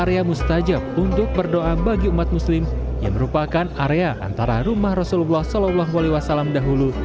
area mustajab untuk berdoa bagi umat muslim yang merupakan area antara rumah rasulullah saw dahulu